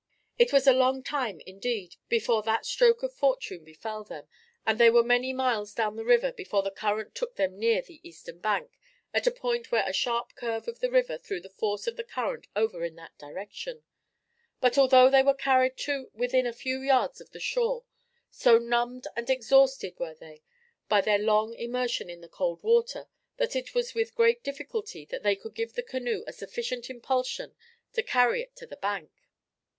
It was a long time, indeed, before that stroke of fortune befell them, and they were many miles down the river before the current took them near the eastern bank at a point where a sharp curve of the river threw the force of the current over in that direction; but although they were carried to within a few yards of the shore, so numbed and exhausted were they by their long immersion in the cold water that it was with the greatest difficulty that they could give the canoe a sufficient impulsion to carry it to the bank.